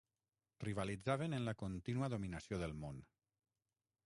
Rivalitzaven en la contínua dominació del món.